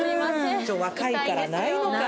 若いからないのか。